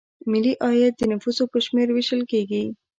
ملي عاید د نفوسو په شمېر ویشل کیږي.